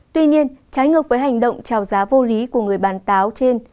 tuy nhiên trái ngược với hành động trào giá vô lý của người bán trên